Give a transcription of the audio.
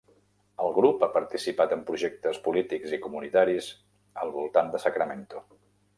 El grup ha participat en projectes polítics i comunitaris al voltant de Sacramento.